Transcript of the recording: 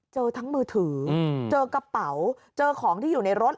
เจอทั้งมือถือเจอกระเป๋าเจอของที่อยู่ในรถ